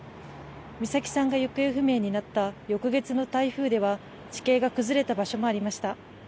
美咲さんが行方不明になった翌月の台風では地形が崩れた場所もありました。